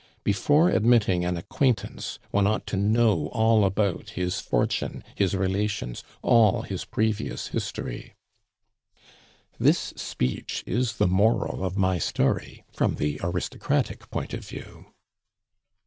Before admitting an acquaintance, one ought to know all about his fortune, his relations, all his previous history " This speech is the moral of my story from the aristocratic point of view.